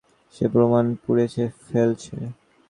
সে প্রমাণ পুড়িয়ে ফেলছে।